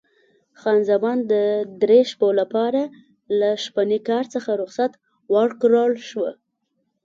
خان زمان د درې شپو لپاره له شپني کار څخه رخصت ورکړل شوه.